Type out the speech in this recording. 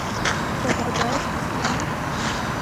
سبا یی تسلیموم